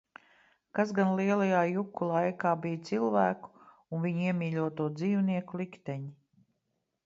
Kas gan lielajā juku laikā bija cilvēku un viņu iemīļoto dzīvnieku likteņi?